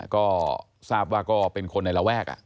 ก็ทราบว่าก็เป็นคนในระแวก